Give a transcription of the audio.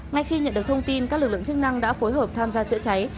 ngay khi nhận được thông tin các lực lượng chức năng đã phối hợp tham gia chữa cháy